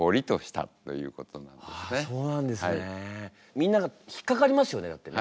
みんなが引っかかりますよねだってね。